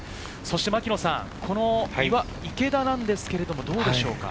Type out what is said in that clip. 牧野さん、この池田ですけれど、どうでしょうか？